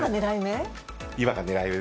今が狙い目？